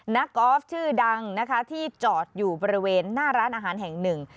กอล์ฟชื่อดังนะคะที่จอดอยู่บริเวณหน้าร้านอาหารแห่งหนึ่ง